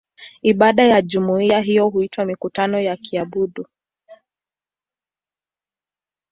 Ibada za jumuiya hii huitwa "mikutano ya kuabudu".